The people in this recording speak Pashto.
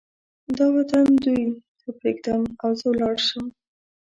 دا وطن دوی ته پرېږدم او زه ولاړ شم.